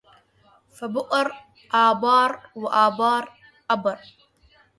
فأبؤر أبآر وآبار أبر